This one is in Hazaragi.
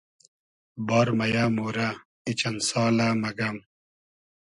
بار مئیۂ مۉرۂ , ای چئن سالۂ مئگئم